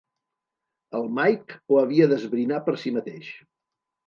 El Mike ho havia d'esbrinar per si mateix.